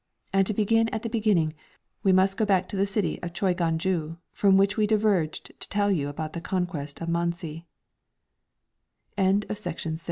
And, to begin at the beginning, we must go back to the city of Coiganju, from which we diverged to tell you about the conquest o